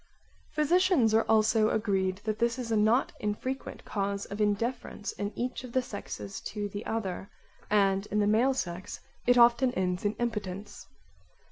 Physicians are also agreed that this is not an infrequent cause of indifference in each of the sexes to the other, and in the male sex it often ends in impotence.